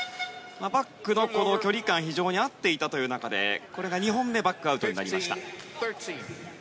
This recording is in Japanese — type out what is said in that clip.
バックの距離感非常に合っていたという中で２本目、バックがアウトになりました。